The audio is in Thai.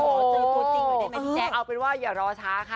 โอ้โหเอาเป็นว่าอย่ารอช้าครับ